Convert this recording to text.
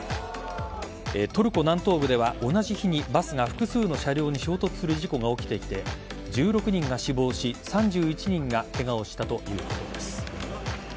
トルコ南東部では、同じ日にバスが複数の車両に衝突する事故が起きていて１６人が死亡し３１人がケガをしたということです。